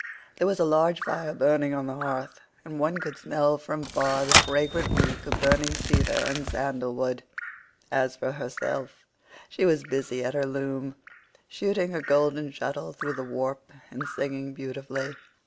There was a large fire burning on the hearth, and one could smell from far the fragrant reek of burning cedar and sandal wood. As for herself, she was busy at her loom, shooting her golden shuttle through the warp and singing beautifully.